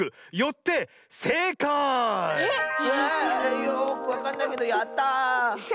よくわかんないけどやった！